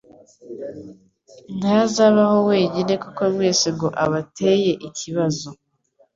Ntazabaho wenyine kuko mwese ngo abateye ikibazo